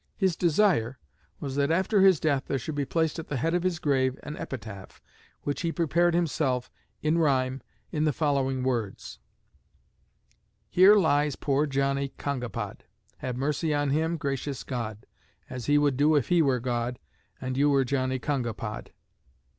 His desire was that after his death there should be placed at the head of his grave an epitaph, which he prepared himself, in rhyme, in the following words: "'Here lies poor Johnnie Kongapod; Have mercy on him, gracious God, As he would do if he were God And you were Johnnie Kongapod.'"